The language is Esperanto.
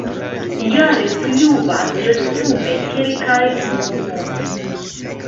Jare pluvas resume kelkaj mm.